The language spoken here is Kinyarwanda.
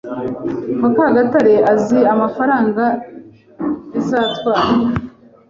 Mukagatare azi amafaranga bizatwara.